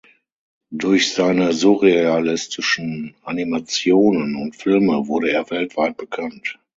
Durch seine surrealistischen Animationen und Filme wurde er weltweit bekannt.